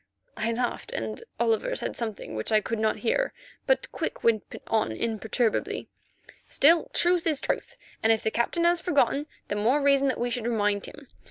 I laughed, and Oliver said something which I could not hear, but Quick went on imperturbably: "Still, truth is truth, and if the Captain has forgotten, the more reason that we should remind him.